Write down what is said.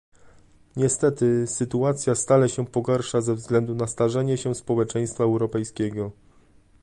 Niestety, sytuacja stale się pogarsza ze względu na starzenie się społeczeństwa europejskiego